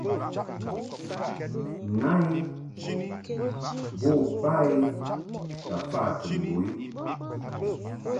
Na I bo ba I ka fa tɨn mbo i.